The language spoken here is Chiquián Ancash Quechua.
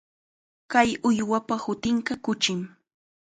Kay uywapa hutinqa kuchim.